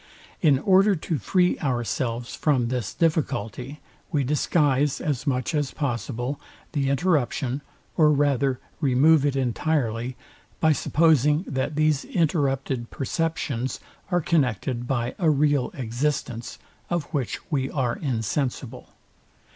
In order to free ourselves from this difficulty, we disguise, as much as possible, the interruption, or rather remove it entirely, by supposing that these interrupted perceptions are connected by a real existence, of which we are insensible.